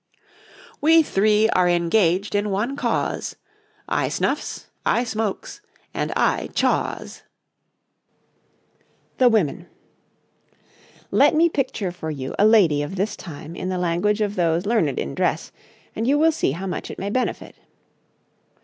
'We three are engaged in one cause, I snuffs, I smokes, and I chaws.' THE WOMEN Let me picture for you a lady of this time in the language of those learned in dress, and you will see how much it may benefit.